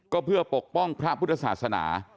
ก็เพื่อปกป้องพระพุทธศาสนา